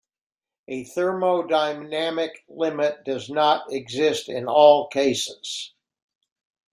A thermodynamic limit does not exist in all cases.